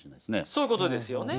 そういうことですよね。